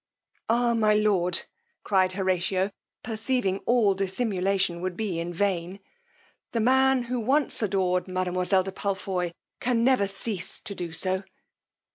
Ah, my lord, cried Horatio, perceiving all dissimulation would be vain, the man who once adored mademoiselle de Palfoy can never cease to do so.